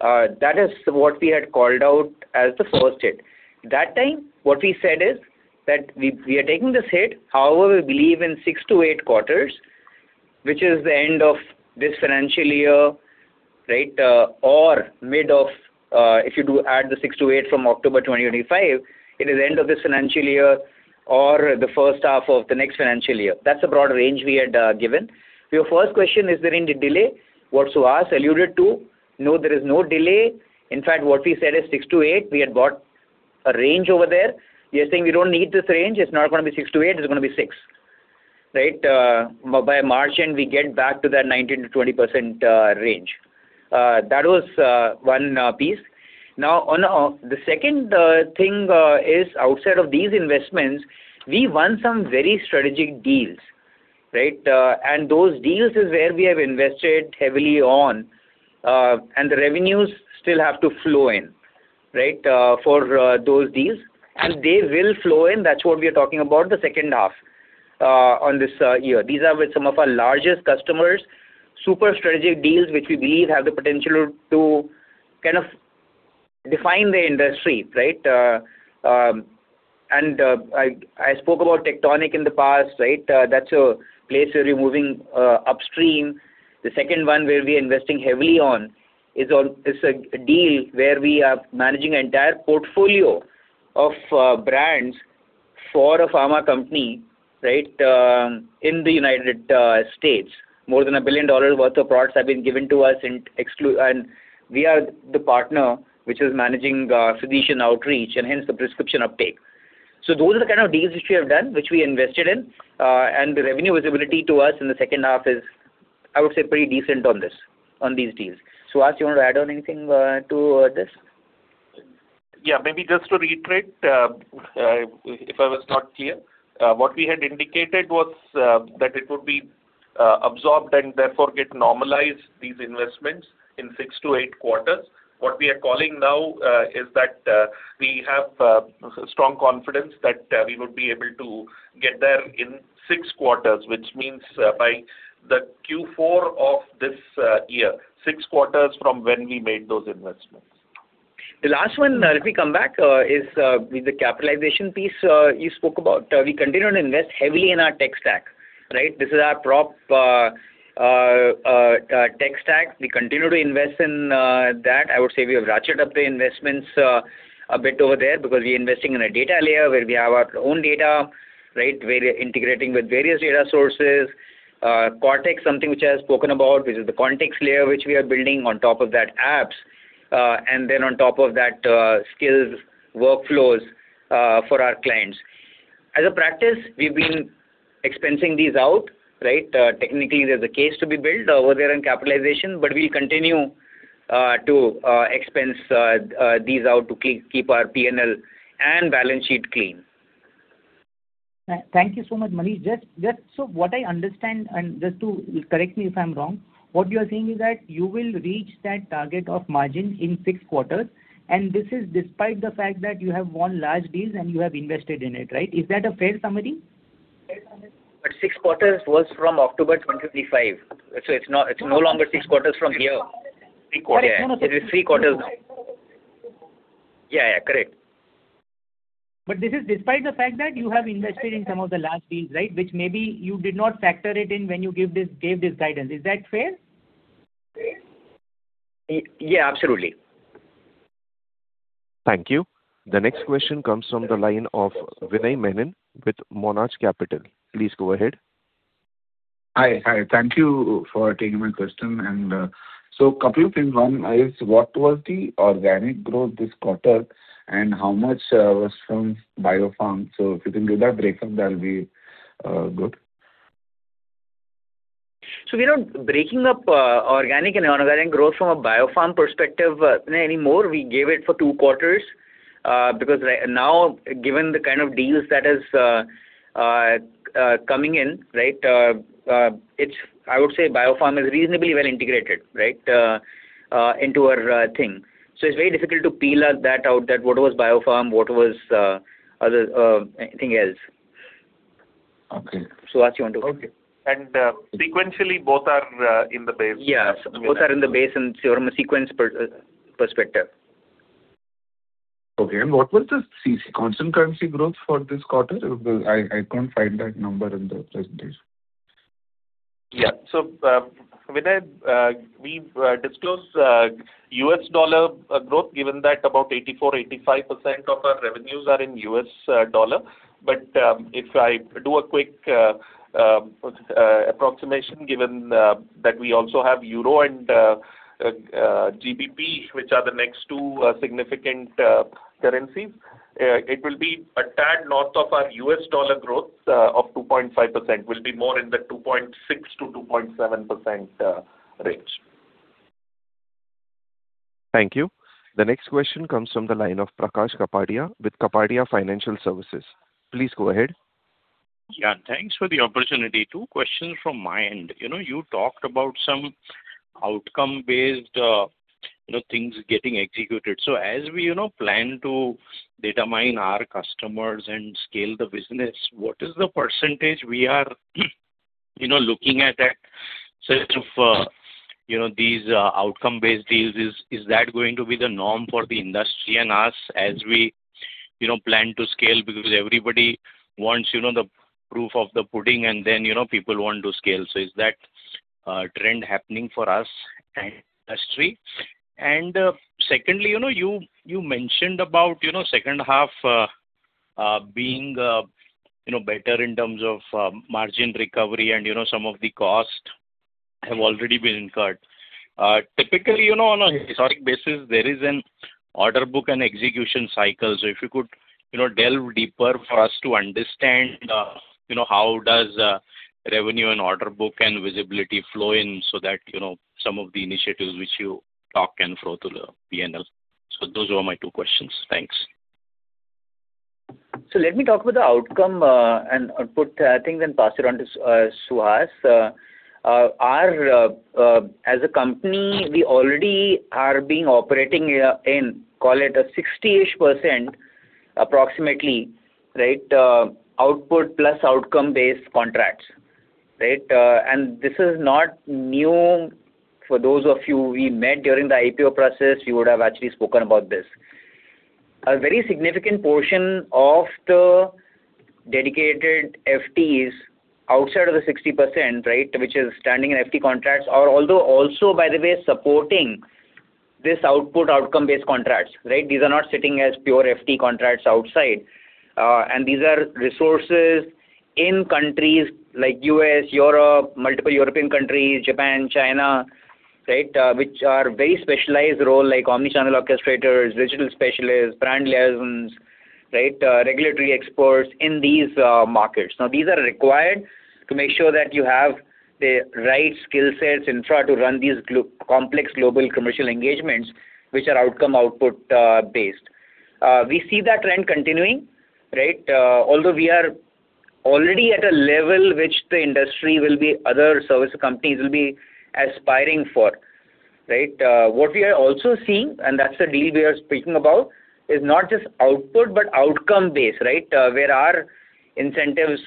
That is what we had called out as the first hit. That time, what we said is that we are taking this hit, however, we believe in six to eight quarters, which is the end of this financial year. Mid of, if you do add the six to eight from October 2025, it is end of this financial year or the first half of the next financial year. That's the broad range we had given. Your first question, is there any delay? What Suhas alluded to. There is no delay. What we said is six to eight. We had got a range over there. We are saying we don't need this range. It's not going to be six to eight, it's going to be six. Right? By March end, we get back to that 19%-20% range. That was one piece. The second thing is outside of these investments, we won some very strategic deals. Right? Those deals is where we have invested heavily on, and the revenues still have to flow in for those deals. They will flow in, that's what we are talking about the second half on this year. These are with some of our largest customers, super strategic deals, which we believe have the potential to kind of define the industry. Right? I spoke about Tectonic in the past. That's a place where we're moving upstream. The second one where we are investing heavily on is a deal where we are managing entire portfolio of brands for a pharma company in the United States. More than a billion-dollar worth of products have been given to us, and we are the partner which is managing physician outreach and hence the prescription uptake. Those are the kind of deals which we have done, which we invested in. The revenue visibility to us in the second half is, I would say, pretty decent on these deals. Suhas, you want to add on anything to this? Maybe just to reiterate, if I was not clear. What we had indicated was that it would be absorbed and therefore get normalized, these investments, in six to eight quarters. What we are calling now is that we have strong confidence that we would be able to get there in six quarters, which means by the Q4 of this year. Six quarters from when we made those investments. The last one, if we come back, is the capitalization piece you spoke about. We continue to invest heavily in our tech stack. This is our prop tech stack. We continue to invest in that. I would say we have ratcheted up the investments a bit over there because we're investing in a data layer where we have our own data, where we're integrating with various data sources. Cortex, something which I have spoken about, which is the context layer which we are building on top of that apps. On top of that, skills, workflows for our clients. As a practice, we've been expensing these out. Technically, there's a case to be built over there in capitalization, but we'll continue to expense these out to keep our P&L and balance sheet clean. Thank you so much, Manish. What I understand, and just to correct me if I'm wrong, what you are saying is that you will reach that target of margin in six quarters. This is despite the fact that you have won large deals and you have invested in it, right? Is that a fair summary? Six quarters was from October 2025. It's no longer six quarters from here. Three quarters. It is three quarters now. Yeah. Correct. This is despite the fact that you have invested in some of the large deals, right? Which maybe you did not factor it in when you gave this guidance. Is that fair? Yeah, absolutely. Thank you. The next question comes from the line of Vinay Menon with Monarch Capital. Please go ahead. Hi. Thank you for taking my question. Couple of things. One is, what was the organic growth this quarter and how much was from Biopharma? If you can give that breakup, that will be good. We're not breaking up organic and inorganic growth from a Biopharma perspective anymore. We gave it for two quarters, because now, given the kind of deals that is coming in, I would say Biopharma is reasonably well integrated into our thing. It's very difficult to peel that out, that what was Biopharma, what was anything else. Okay. Suhas, you want to- Okay. Sequentially, both are in the base? Yes. Both are in the base from a sequence perspective. Okay. What was the constant currency growth for this quarter? Because I couldn't find that number in the presentation. Yeah. Vinay, we've disclosed U.S. dollar growth, given that about 84%-85% of our revenues are in U.S. dollar. If I do a quick approximation, given that we also have euro and GBP, which are the next two significant currencies, it will be a tad north of our U.S. dollar growth of 2.5%, will be more in the 2.6%-2.7% range. Thank you. The next question comes from the line of Prakash Kapadia with Kapadia Financial Services. Please go ahead. Yeah. Thanks for the opportunity. Two questions from my end. You talked about some outcome-based things getting executed. As we plan to data mine our customers and scale the business, what is the percentage we are looking at that set of these outcome-based deals? Is that going to be the norm for the industry and us as we plan to scale? Everybody wants the proof of the pudding, and then people want to scale. Is that trend happening for us and the industry? Secondly, you mentioned about second half being better in terms of margin recovery and some of the cost have already been incurred. Typically, on a historic basis, there is an order book and execution cycle. If you could delve deeper for us to understand, how does revenue and order book and visibility flow in so that some of the initiatives which you talk can flow through the P&L. Those were my two questions. Thanks. Let me talk about the outcome and output things, then pass it on to Suhas. As a company, we already are being operating in, call it, a 60%-ish approximately output plus outcome-based contracts. This is not new. For those of you we met during the IPO process, we would have actually spoken about this. A very significant portion of the dedicated FEs outside of the 60%, which is standing in FE contracts are although also, by the way, supporting this output outcome-based contracts. These are not sitting as pure FE contracts outside. These are resources in countries like U.S., Europe, multiple European countries, Japan, China, which are very specialized role, like omnichannel orchestrators, digital specialists, brand liaisons, regulatory experts in these markets. These are required to make sure that you have the right skill sets in order to run these complex global commercial engagements, which are outcome, output-based. We see that trend continuing. Although we are already at a level which the industry will be, other service companies will be aspiring for. What we are also seeing, and that's the deal we are speaking about, is not just output, but outcome-based, where our incentives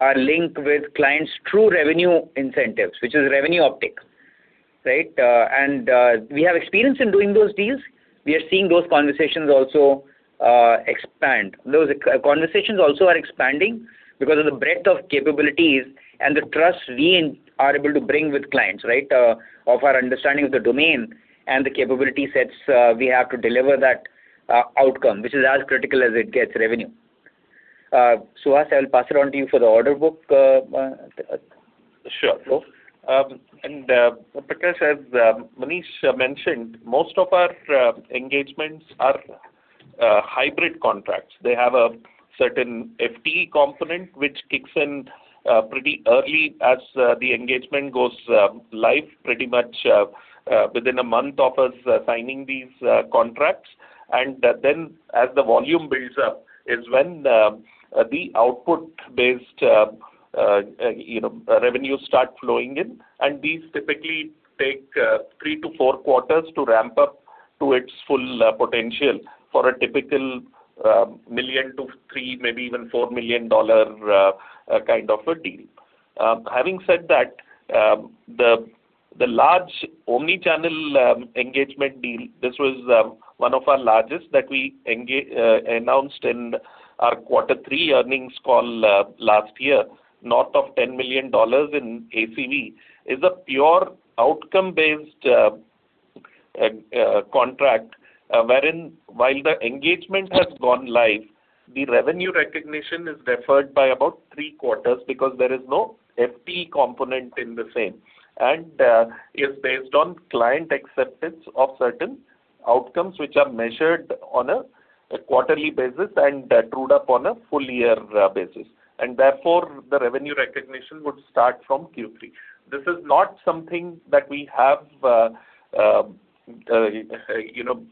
are linked with clients' true revenue incentives, which is revenue optic. We have experience in doing those deals. We are seeing those conversations also expand. Those conversations also are expanding because of the breadth of capabilities and the trust we are able to bring with clients of our understanding of the domain and the capability sets we have to deliver that outcome, which is as critical as it gets, revenue. Suhas, I'll pass it on to you for the order book flow. Sure. Prakash, as Manish mentioned, most of our engagements are hybrid contracts. They have a certain FE component which kicks in pretty early as the engagement goes live, pretty much within a month of us signing these contracts. Then as the volume builds up is when the output-based revenue start flowing in, and these typically take three to four quarters to ramp up to its full potential for a typical $1 million-$3 million, maybe even $4 million kind of a deal. Having said that, the large omni-channel engagement deal, this was one of our largest that we announced in our quarter three earnings call last year, north of $10 million in ACV, is a pure outcome-based contract, wherein while the engagement has gone live, the revenue recognition is deferred by about three quarters because there is no FE component in the same. It's based on client acceptance of certain outcomes which are measured on a quarterly basis and that trued up on a full year basis. Therefore, the revenue recognition would start from Q3. This is not something that we have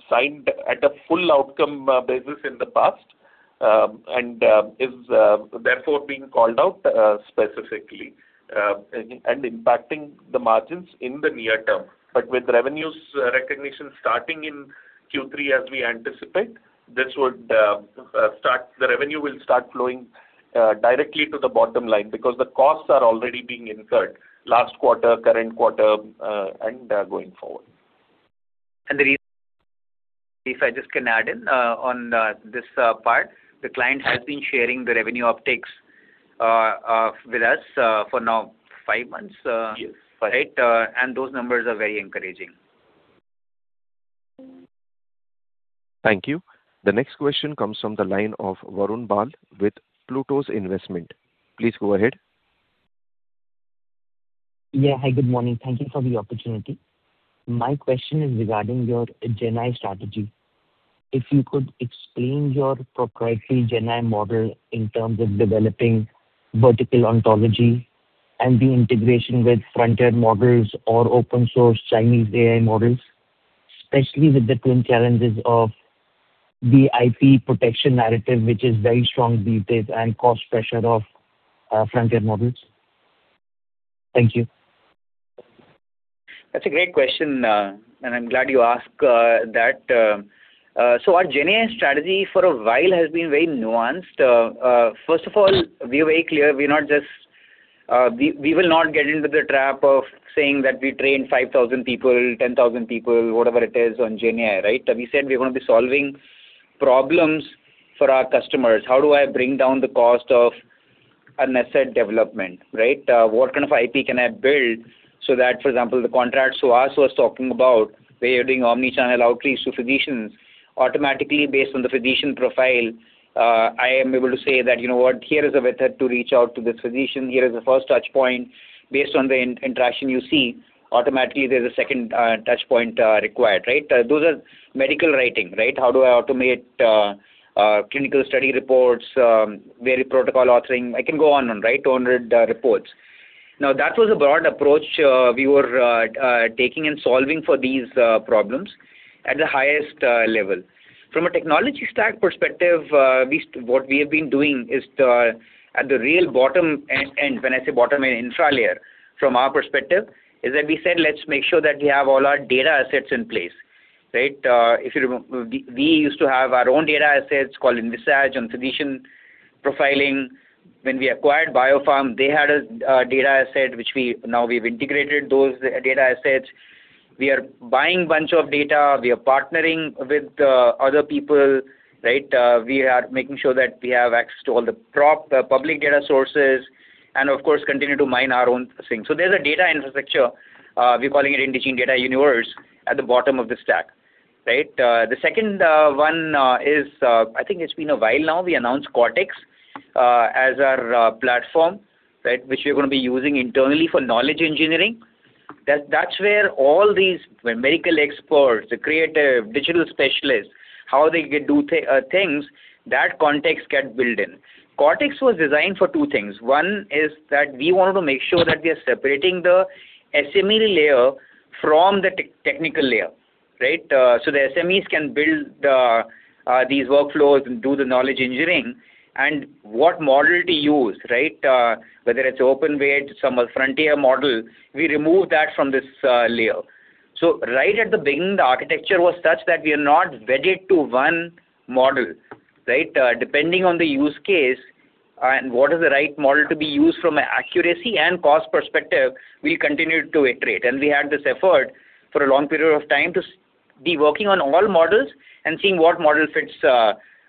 signed at a full outcome basis in the past, and is therefore being called out specifically, impacting the margins in the near term. With revenues recognition starting in Q3 as we anticipate, the revenue will start flowing directly to the bottom line because the costs are already being incurred last quarter, current quarter, and going forward. If I just can add in on this part, the client has been sharing the revenue upticks with us for now five months. Yes. Right? Those numbers are very encouraging. Thank you. The next question comes from the line of [Varun Bahl] with Plutus Investment. Please go ahead. Yeah. Hi, good morning. Thank you for the opportunity. My question is regarding your GenAI strategy. If you could explain your proprietary GenAI model in terms of developing vertical ontology and the integration with frontier models or open source Chinese AI models, especially with the twin challenges of the IP protection narrative, which is very strong these days, and cost pressure of frontier models. Thank you. That's a great question, and I'm glad you asked that. Our GenAI strategy for a while has been very nuanced. First of all, we are very clear, we will not get into the trap of saying that we train 5,000 people, 10,000 people, whatever it is, on GenAI, right? We said we're going to be solving problems for our customers. How do I bring down the cost of an asset development, right? What kind of IP can I build so that, for example, the contract Suhas was talking about, where you're doing omni-channel outreach to physicians automatically based on the physician profile. I am able to say that, "You know what? Here is a method to reach out to this physician. Here is the first touch point based on the interaction you see. Automatically, there's a second touch point required." Right? Those are medical writing. How do I automate clinical study reports, vary protocol authoring. I can go on and on, right. On the reports. That was a broad approach we were taking and solving for these problems at the highest level. From a technology stack perspective, what we have been doing is at the real bottom end. When I say bottom, I mean infra layer. From our perspective, is that we said, "Let's make sure that we have all our data assets in place." Right. We used to have our own data assets called Invisage on physician profiling. When we acquired Biopharma, they had a data asset, which now we've integrated those data assets. We are buying bunch of data. We are partnering with other people, right. We are making sure that we have access to all the public data sources, and of course, continue to mine our own things. There's a data infrastructure, we're calling it Indegene Data Universe, at the bottom of the stack. Right. The second one is, I think it's been a while now, we announced Cortex as our platform, which we're going to be using internally for knowledge engineering. That's where all these medical experts, the creative digital specialists, how they do things, that context get built in. Cortex was designed for two things. One is that we wanted to make sure that we are separating the SME layer from the technical layer, right. The SMEs can build these workflows and do the knowledge engineering and what model to use, right. Whether it's open weight, some are frontier model, we remove that from this layer. Right at the beginning, the architecture was such that we are not wedded to one model, right. Depending on the use case and what is the right model to be used from an accuracy and cost perspective, we continue to iterate. We had this effort for a long period of time to be working on all models and seeing what model fits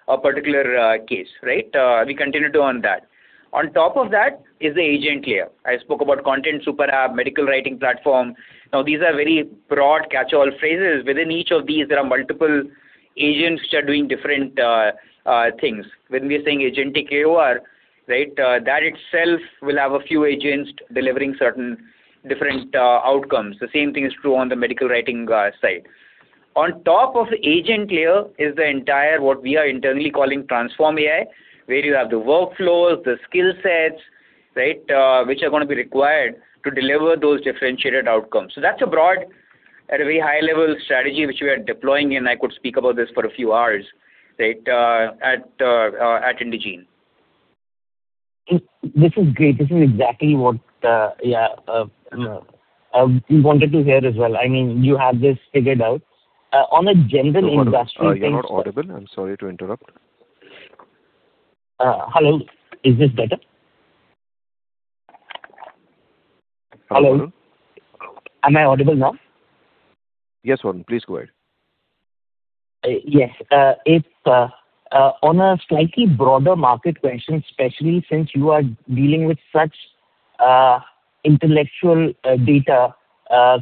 a particular case. Right. We continue to own that. On top of that is the agent layer. I spoke about Content Super App, medical writing platform. These are very broad catch-all phrases. Within each of these, there are multiple agents which are doing different things. When we are saying Agentic AOR, that itself will have a few agents delivering certain different outcomes. The same thing is true on the medical writing side. On top of the agent layer is the entire, what we are internally calling Transform AI, where you have the workflows, the skill sets which are going to be required to deliver those differentiated outcomes. That's a broad, at a very high level strategy, which we are deploying, and I could speak about this for a few hours at Indegene. This is great. This is exactly what we wanted to hear as well. You have this figured out. On a general industry- Varun, you are not audible. I am sorry to interrupt. Hello. Is this better? Hello. Am I audible now? Yes, Varun, please go ahead. Yes. On a slightly broader market question, especially since you are dealing with such intellectual data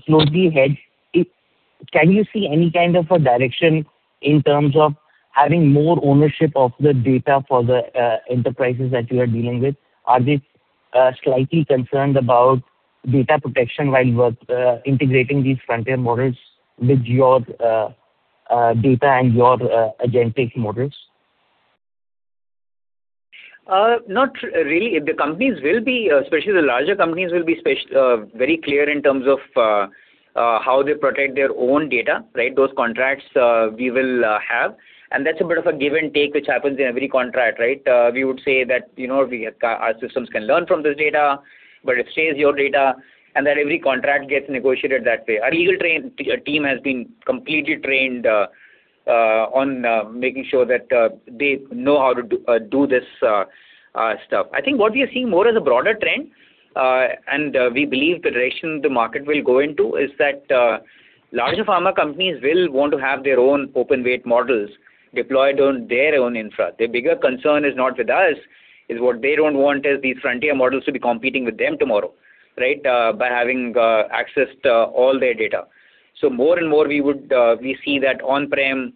closely hedged, can you see any kind of a direction in terms of having more ownership of the data for the enterprises that you are dealing with? Are they slightly concerned about data protection while integrating these frontier models with your data and your agentic models. Not really. The companies, especially the larger companies, will be very clear in terms of how they protect their own data. Those contracts we will have, and that's a bit of a give and take, which happens in every contract. We would say that our systems can learn from this data, but it stays your data, and then every contract gets negotiated that way. Our legal team has been completely trained on making sure that they know how to do this stuff. I think what we are seeing more as a broader trend, and we believe the direction the market will go into, is that larger pharma companies will want to have their own open weight models deployed on their own infra. Their bigger concern is not with us. What they don't want is these frontier models to be competing with them tomorrow by having access to all their data. More and more we see that on-prem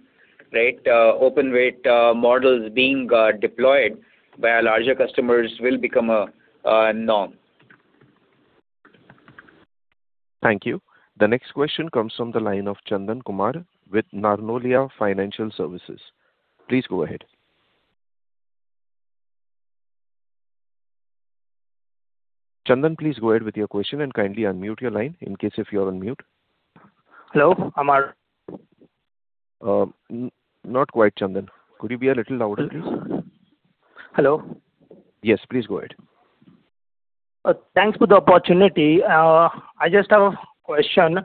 open weight models being deployed by our larger customers will become a norm. Thank you. The next question comes from the line of Chandan Kumar with Narnolia Financial Services. Please go ahead. Chandan, please go ahead with your question and kindly unmute your line in case if you are on mute. Hello, am I- Not quite, Chandan. Could you be a little louder, please? Hello. Yes, please go ahead. Thanks for the opportunity. I just have a question.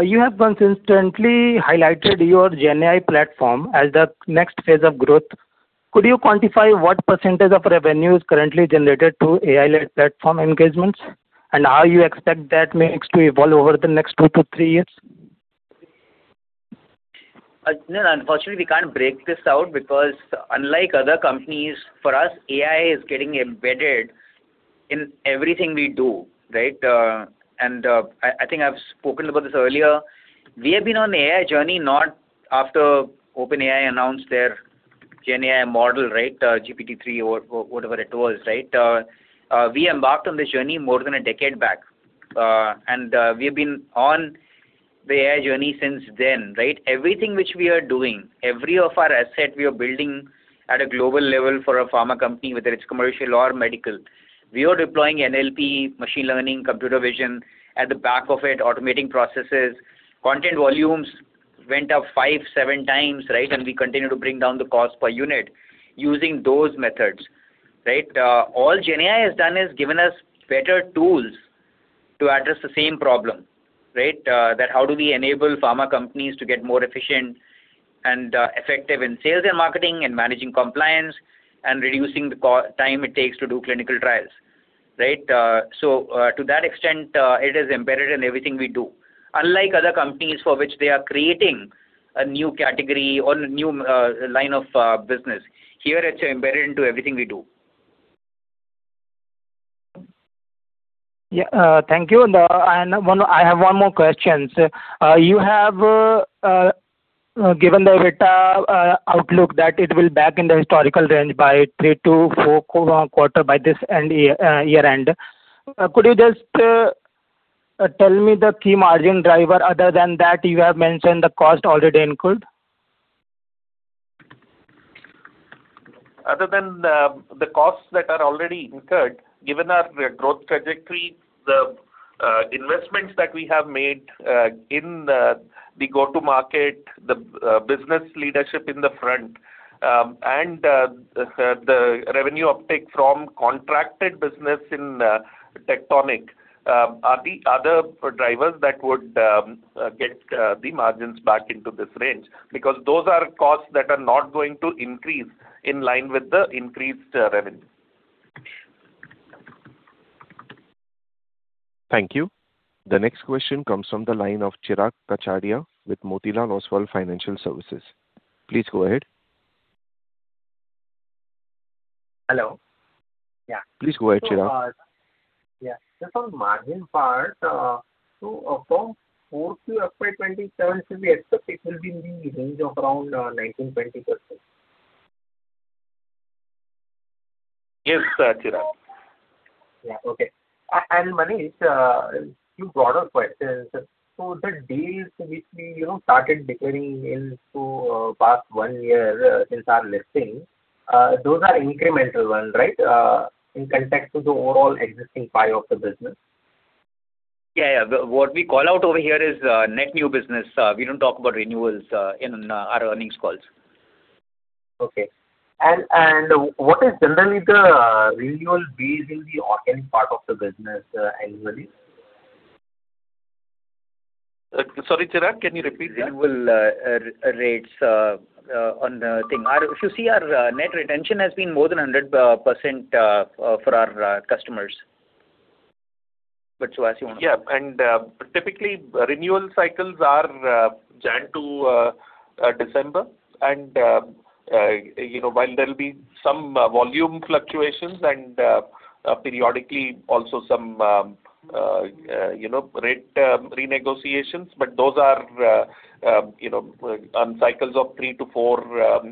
You have consistently highlighted your GenAI platform as the next phase of growth. Could you quantify what percentage of revenue is currently generated to AI-led platform engagements, and how you expect that mix to evolve over the next two to three years? No, unfortunately, we can't break this out because unlike other companies, for us, AI is getting embedded in everything we do. I think I've spoken about this earlier. We have been on the AI journey not after OpenAI announced their GenAI model, GPT-3 or whatever it was. We embarked on this journey more than a decade back, and we have been on the AI journey since then. Everything which we are doing, every asset we are building at a global level for a pharma company, whether it's commercial or medical, we are deploying NLP, machine learning, computer vision. At the back of it, automating processes. Content volumes went up five, seven times, and we continue to bring down the cost per unit using those methods. All GenAI has done is given us better tools to address the same problem. That how do we enable pharma companies to get more efficient and effective in sales and marketing and managing compliance and reducing the time it takes to do clinical trials. To that extent, it is embedded in everything we do. Unlike other companies for which they are creating a new category or new line of business, here it's embedded into everything we do. Yeah. Thank you. I have one more question, sir. You have given the EBITDA outlook that it will be back in the historical range by three to four quarter by this year-end. Could you just tell me the key margin driver other than that you have mentioned the cost already incurred? Other than the costs that are already incurred, given our growth trajectory, the investments that we have made in the go-to-market, the business leadership in the front, and the revenue uptake from contracted business in Tectonic are the other drivers that would get the margins back into this range, because those are costs that are not going to increase in line with the increased revenue. Thank you. The next question comes from the line of Chirag Kachhadiya with Motilal Oswal Financial Services. Please go ahead. Hello. Yeah. Please go ahead, Chirag. Just on margin part, from 4Q FY 2027 should we expect it will be in the range of around 19%-20%? Yes, Chirag. Okay. Manish, few broader questions. The deals which we started declaring in past one year since our listing, those are incremental ones, right? In context to the overall existing pie of the business. What we call out over here is net new business. We don't talk about renewals in our earnings calls. Okay. What is generally the renewal base in the organic part of the business annually? Sorry, Chirag, can you repeat that? Renewal rates on the thing. If you see our net retention has been more than 100% for our customers. Suhas, you want to. Yeah, typically, renewal cycles are January to December. While there will be some volume fluctuations and periodically also some rate renegotiations, those are on cycles of three to four,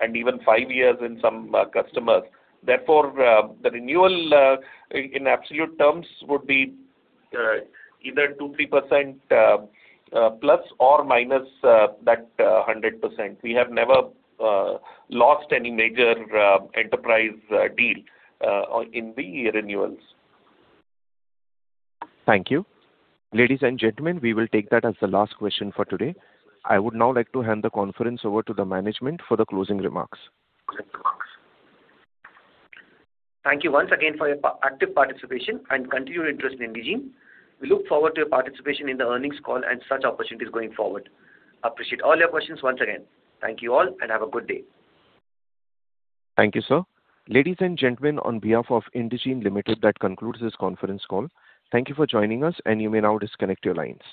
and even five years in some customers. Therefore, the renewal in absolute terms would be either 2%, 3% plus or minus that 100%. We have never lost any major enterprise deal in the renewals. Thank you. Ladies and gentlemen, we will take that as the last question for today. I would now like to hand the conference over to the management for the closing remarks. Thank you once again for your active participation and continued interest in Indegene. We look forward to your participation in the earnings call and such opportunities going forward. Appreciate all your questions once again. Thank you all, and have a good day. Thank you, sir. Ladies and gentlemen, on behalf of Indegene Limited, that concludes this conference call. Thank you for joining us, and you may now disconnect your lines.